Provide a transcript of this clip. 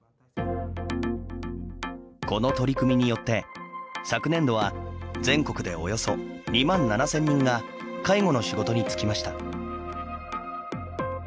この取り組みによって昨年度は全国で、およそ２万７０００人が介護の仕事に就きました。